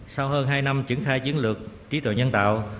sau hơn hai năm triển khai chiến lược trí tuệ nhân tạo